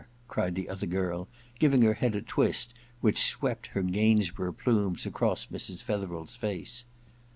* cried the other girl, giving her head a twist which swept her Gains borough plumes across Mrs. Fetherel's face.